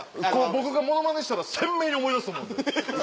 僕がものまねしたら鮮明に思い出すと思うんで。